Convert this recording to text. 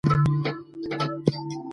رسول الله بيرته ستون سو.